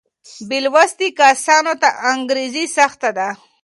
بې لوسته کسانو ته انګرېزي سخته ده.